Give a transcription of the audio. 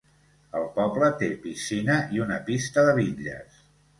El poble té piscina i una pista de bitlles.